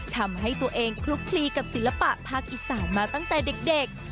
ทำให้ตัวเองคลุกคลีกับศิลปะภาคอีสานมาตั้งแต่เด็ก